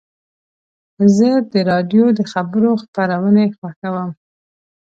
زه د راډیو د خبرو خپرونې خوښوم.